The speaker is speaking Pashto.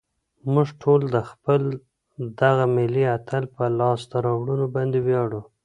موږ ټول د خپل دغه ملي اتل په لاسته راوړنو باندې ویاړو.